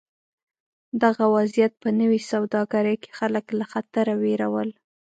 دغه وضعیت په نوې سوداګرۍ کې خلک له خطره وېرول.